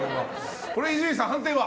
伊集院さん、判定は？